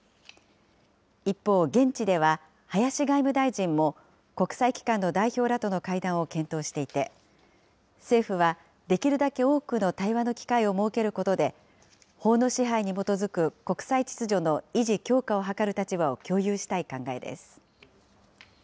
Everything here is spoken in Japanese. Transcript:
一方、現地では、林外務大臣も、国際機関の代表らとの会談を検討していて、政府は、できるだけ多くの対話の機会を設けることで、法の支配に基づく国際秩序の維持・強化を図る立場を共有したい考